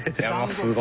すごい。